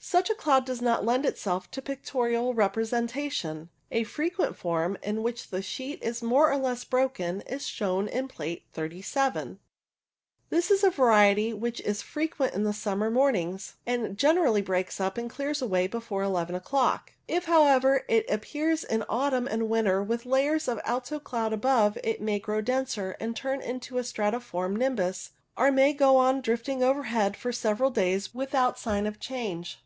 Such a cloud does not lend itself to pictorial representation. A frequent form, in which the sheet is more or less broken, is shown in Plate 37. This is a variety which is frequent in the summer morn ings, and generally breaks up and clears away before eleven o'clock. If, however, it appears in autumn and winter with layers of alto cloud above, it may grow denser, and turn into a stratiform nimbus, or it may go on drifting overhead for several days without sign of change.